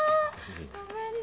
ごめんね。